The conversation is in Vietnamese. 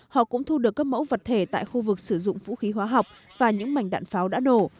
họ cũng thu được các mẫu vật thể tại khu vực sử dụng vũ khí hóa học và những mảnh đạn pháo đã nổ